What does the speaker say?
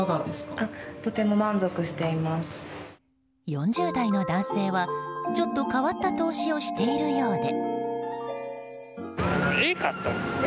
４０代の男性はちょっと変わった投資をしているようで。